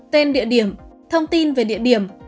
tên địa điểm thông tin về địa điểm